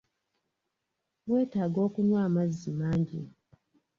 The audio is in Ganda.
Wetaaga okunywa amazzi mangi.